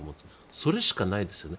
それしかないですよね。